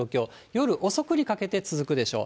夜遅くにかけて続くでしょう。